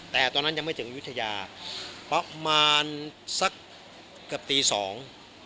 แต่ตอนนั้นยังไม่ถึงอายุทยาเพราะประมาณสักเกือบตีสอง